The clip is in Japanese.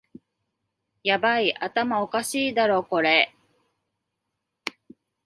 ヤバい、頭おかしいだろこれ